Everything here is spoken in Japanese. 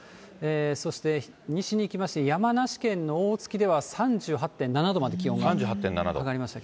そして西に行きまして、山梨県の大月では３８．７度まで気温が上がりました。